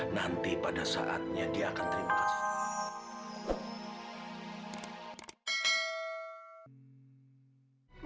nah nanti pada saatnya dia akan terima kasih